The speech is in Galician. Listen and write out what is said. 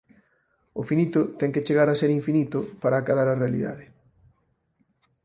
O finito ten que chegar a ser infinito para acadar a realidade.